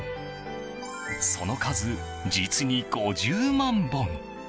その数、実に５０万本。